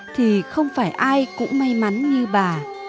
thì không phải ai cũng may mắn như bà